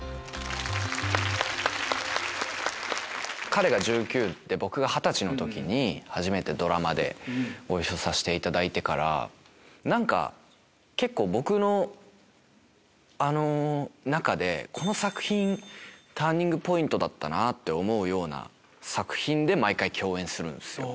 彼が１９で僕が二十歳の時に初めてドラマでご一緒させていただいてから何か結構僕の中でこの作品ターニングポイントだったって思うような作品で毎回共演するんですよ。